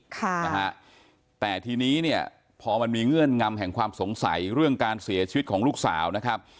ค่ะนะฮะแต่ทีนี้เนี่ยพอมันมีเงื่อนงำแห่งความสงสัยเรื่องการเสียชีวิตของลูกสาวนะครับ